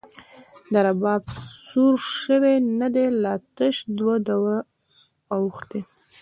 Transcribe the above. لا رباب سور شوۍ ندۍ، لا تش دوه دوره اوښتۍ